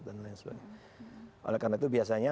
oleh karena itu biasanya